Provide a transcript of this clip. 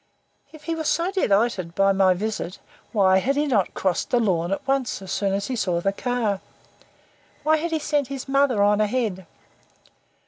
If he were so delighted by my visit, why had he not crossed the lawn at once as soon as he saw the car? Why had he sent his mother on ahead?